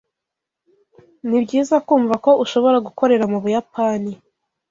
Nibyiza kumva ko ushobora gukorera mubuyapani.